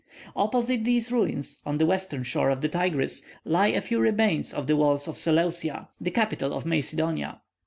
Opposite these ruins on the western shore of the Tigris, lie a few remains of the walls of Seleucia, the capital of Macedonia.